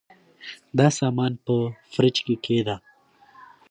دا سامان په فریج کي کښېږده.